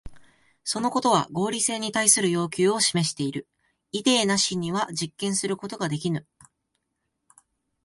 そのことは合理性に対する要求を示している。イデーなしには実験することができぬ。